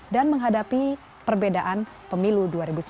menghadapi perbedaan pemilu dua ribu sembilan belas